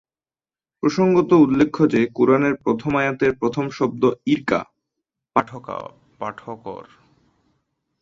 প্রসঙ্গত উল্লেখ্য যে, কুরআনের প্রথম আয়াতের প্রথম শব্দ ‘ইকরা’-পাঠকর।